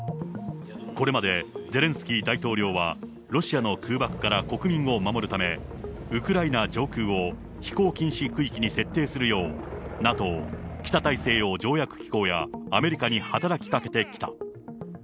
これまでゼレンスキー大統領は、ロシアの空爆から国民を守るため、ウクライナ上空を飛行禁止区域に設定するよう、ＮＡＴＯ・北大西洋条約機構やアメリカに働きかけてきた。